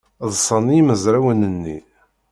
Ḍṣan yimezrawen-nni.